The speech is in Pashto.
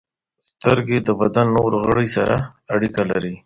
• سترګې د بدن نور غړي سره اړیکه لري.